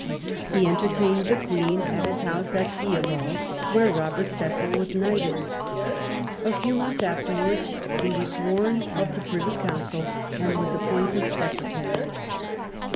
He entertained the Queen at his house at Theobalds, where Robert Cecil was knighted. A few months afterwards he was sworn of the Privy Council, and was appointed secretary.